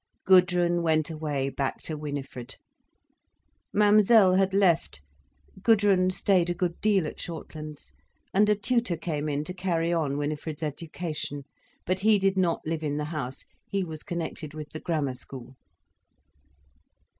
Gudrun went away, back to Winifred. Mademoiselle had left, Gudrun stayed a good deal at Shortlands, and a tutor came in to carry on Winifred's education. But he did not live in the house, he was connected with the Grammar School.